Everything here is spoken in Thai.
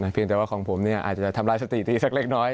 เพียงแต่ว่าของผมเนี่ยอาจจะทำลายสติที่สักเล็กน้อย